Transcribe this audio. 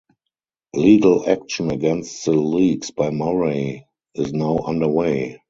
Legal action against the leaks by Murray is now underway.